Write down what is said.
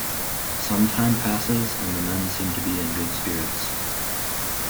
Some time passes and the men seem to be in good spirits.